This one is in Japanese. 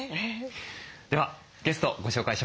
ではゲストをご紹介しましょう。